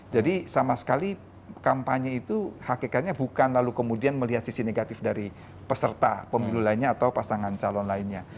jadi sama sekali kampanye itu hakikatnya bukan lalu kemudian melihat sisi negatif dari peserta pemilu lainnya atau pasangan calon lainnya